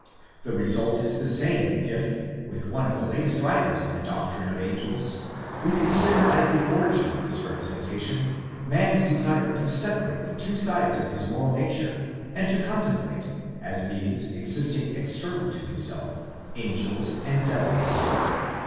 The result is the same if, with one of the latest writers on the doctrine of angels,}® we consider as the origin of this representation, man's desire to separate the two sides of his moral nature, and to comtemplate, as beings existing external to himself, angels and devils.